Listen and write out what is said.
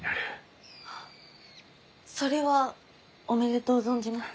それはおめでとう存じます。